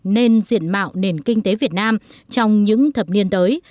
nên diện mạo nền kinh tế việt nam trong những thập niên tới